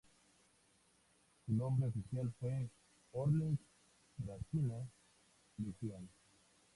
Su nombre oficial fue el Horlick-Racine Legión.